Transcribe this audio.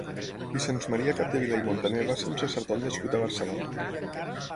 Vicenç Maria Capdevila i Montaner va ser un sacerdot nascut a Barcelona.